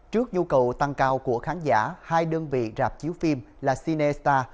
trước nhu cầu tăng cao của khán giả hai đơn vị rạp chiếu phim là cinestar